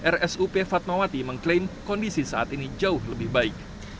rsup fatmawati mengklaim kondisi saat ini jauh lebih baik